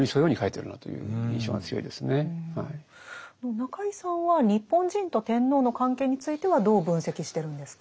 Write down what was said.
中井さんは日本人と天皇の関係についてはどう分析してるんですか？